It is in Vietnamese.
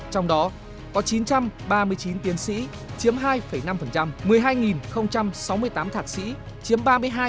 trong đó có chín trăm ba mươi chín tiến sĩ chiếm hai năm một mươi hai sáu mươi tám thạc sĩ chiếm ba mươi hai